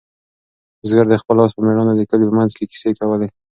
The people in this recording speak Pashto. بزګر د خپل آس په مېړانه د کلي په منځ کې کیسې کولې.